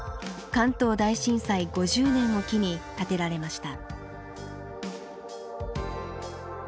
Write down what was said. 関東大震災５０年を機に建てられました。